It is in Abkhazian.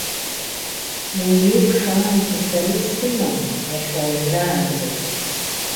Уи еиԥш аамҭа сара исымам иахьа уажәраанӡагьы.